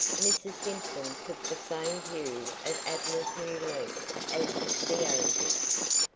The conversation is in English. Mrs. Simpson took the same view of Abner's new leaf as the angels.